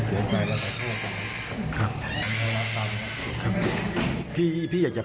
วันนั้นถามจริงครับ